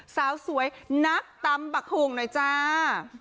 สาวสวยนักตำบักหงหน่อยจ้า